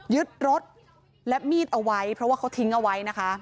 ยึดรถและมีดเอาไว้เพราะว่าเขาทิ้งเอาไว้นะคะ